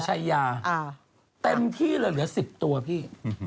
ใต้ยาเต็มที่เหลือ๑๐ตัวพี่